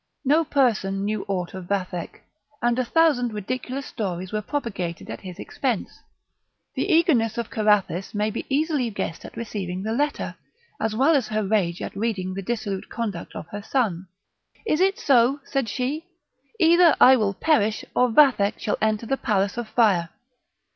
No person knew aught of Vathek, and a thousand ridiculous stories were propagated at his expense. The eagerness of Carathis may be easily guessed at receiving the letter, as well as her rage at reading the dissolute conduct of her son. "Is it so?" said she; "either I will perish, or Vathek shall enter the palace of fire.